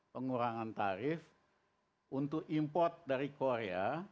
pengurangan tarif untuk import dari korea